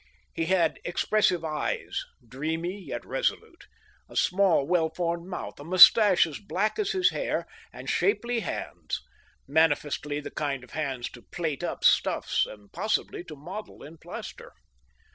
He had expressive ejes, dreamy yet resolute ; a small, well formed mouth, a mustache as black as his hair, and shapely hands — manifestly the kind of hands to plait up stuffs, and possibly to model in plaster.